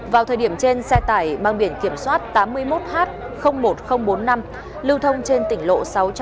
vào thời điểm trên xe tải mang biển kiểm soát tám mươi một h một nghìn bốn mươi năm lưu thông trên tỉnh lộ sáu trăm bảy mươi